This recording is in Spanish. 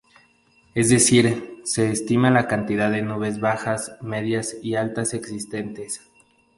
Es decir, se estima la cantidad de nubes bajas, medias y altas existentes.